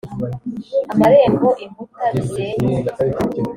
amarembo inkuta bisenywe